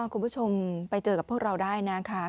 คุณผู้ชมไปเจอกับพวกเราได้นะคะ